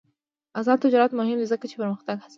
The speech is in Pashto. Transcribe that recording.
آزاد تجارت مهم دی ځکه چې پرمختګ هڅوي.